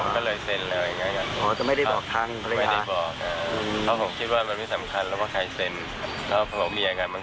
ก็ไม่งอนกันแล้วไม่ทะเลาะกันแล้วนะคะ